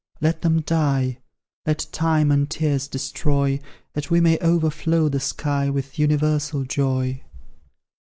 let them die; Let time and tears destroy, That we may overflow the sky With universal joy!